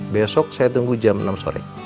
besok saya tunggu jam enam sore